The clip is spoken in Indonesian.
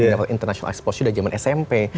dapat international exposure udah zaman smp